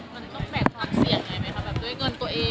มันต้องแบกความเสี่ยงไงไหมคะแบบด้วยเงินตัวเอง